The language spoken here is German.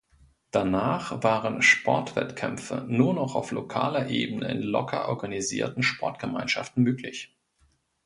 Danach waren Sportwettkämpfe nur noch auf lokaler Ebene in locker organisierten Sportgemeinschaften möglich.